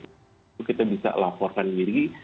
itu kita bisa laporkan diri